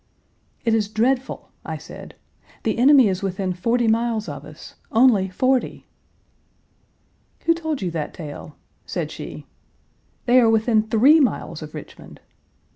"It is dreadful," I said. "The enemy is within forty miles of us only forty!" "Who told you that tale?" said she. "They are within three miles of Richmond!"